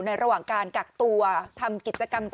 ระหว่างการกักตัวทำกิจกรรม